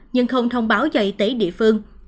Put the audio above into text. nhưng không thông báo cho y tế địa phương